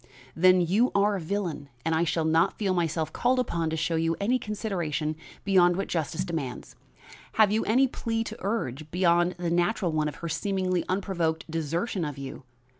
"Then, you are a villain! and I shall not feel myself called upon to show you any consideration beyond what justice demands. Have you any plea to urge beyond the natural one of her seemingly unprovoked desertion of you?